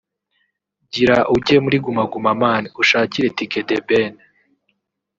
gira ujye muri Guma Guma man ushakire tike The Ben